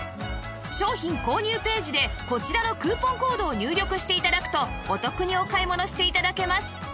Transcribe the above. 商品購入ページでこちらのクーポンコードを入力して頂くとお得にお買い物して頂けます